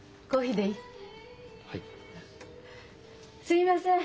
すいません！